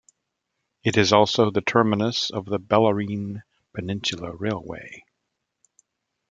It is also the terminus of the Bellarine Peninsula Railway.